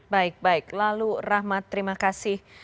baik baik lalu rahmat terima kasih